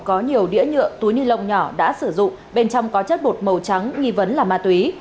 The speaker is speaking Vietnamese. có nhiều đĩa nhựa túi ni lông nhỏ đã sử dụng bên trong có chất bột màu trắng nghi vấn là ma túy